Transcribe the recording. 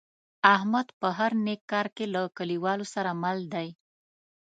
احمد په هر نیک کار کې له کلیوالو سره مل دی.